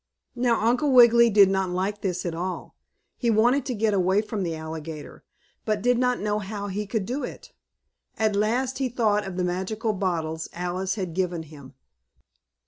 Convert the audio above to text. Now Uncle Wiggily did not like this at all. He wanted to get away from the alligator, but he did not know how he could do it. At last he thought of the magical bottles Alice had given him.